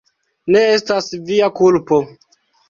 Ne estas via kulpo.